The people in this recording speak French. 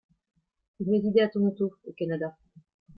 Il résidait à Toronto au Canada.